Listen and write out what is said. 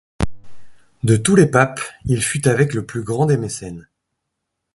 De tous les papes, il fut avec le plus grand des mécènes.